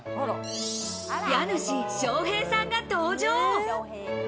家主、将平さんが登場。